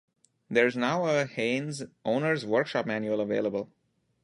There is now a Haynes Owner's Workshop Manual available.